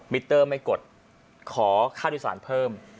เตอร์ไม่กดขอค่าโดยสารเพิ่ม